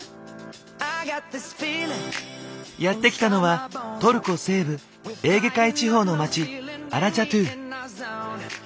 やって来たのはトルコ西部エーゲ海地方の街アラチャトゥ。